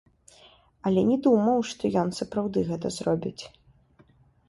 Але не думаў, што ён сапраўды гэта зробіць.